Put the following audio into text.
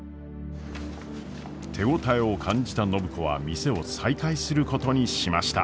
手応えを感じた暢子は店を再開することにしました。